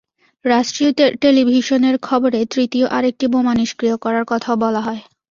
রাষ্ট্রীয় টেলিভিশনের খবরে তৃতীয় আরেকটি বোমা নিষ্ক্রিয় করার কথাও বলা হয়।